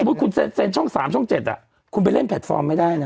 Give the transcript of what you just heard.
คุณเซ็นช่อง๓ช่อง๗คุณไปเล่นแพลตฟอร์มไม่ได้นะ